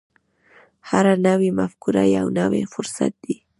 هره نوې مفکوره یو نوی فرصت دی.